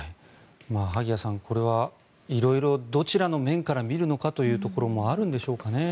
萩谷さん、これは色々どちらの面から見るのかというところもあるんでしょうかね。